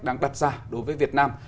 đáng đặt ra đối với việt nam